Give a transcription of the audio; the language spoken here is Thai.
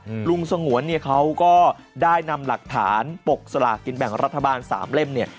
ลุงสงวนเนี่ยเขาก็ได้นำหลักฐานปกสลากินแบ่งรัฐบาลสามเล่มเนี่ย